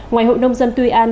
ngoài hội nông dân tuy an